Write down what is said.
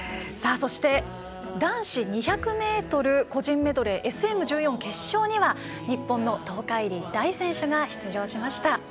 そして男子２００ｍ個人メドレーＳＭ１４決勝には日本の東海林大選手が出場しました。